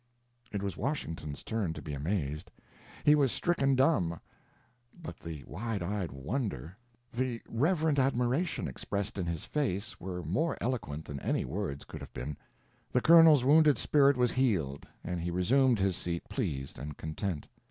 It was Washington's turn to be amazed. He was stricken dumb; but the wide eyed wonder, the reverent admiration expressed in his face were more eloquent than any words could have been. The Colonel's wounded spirit was healed and he resumed his seat pleased and content.